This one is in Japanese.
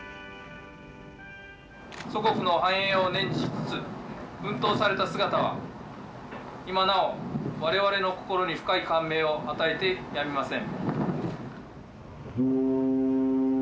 祖国の繁栄を念じつつ奮闘された姿は今なお我々の心に深い感銘を与えてやみません。